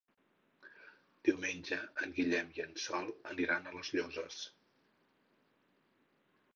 Diumenge en Guillem i en Sol aniran a les Llosses.